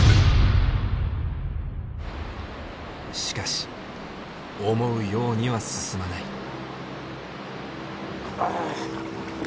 しかし思うようには進まない。